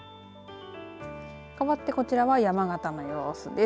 かわってこちらは山形の様子です。